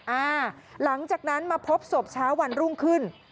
หลังจากนั้นมาพบศพเช้าวันรุ่งขึ้น